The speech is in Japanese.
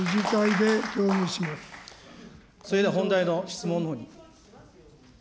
それでは本題の質問のほうに。